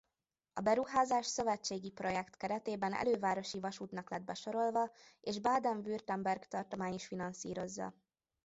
A beruházás szövetségi projekt keretében elővárosi vasútnak lett besorolva és Baden-Württemberg tartomány is finanszírozza.